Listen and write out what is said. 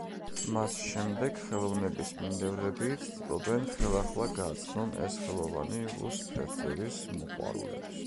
მას შემდეგ ხელოვნების მიმდევრები ცდილობენ ხელახლა გააცნონ ეს ხელოვანი რუს ფერწერის მოყვარულებს.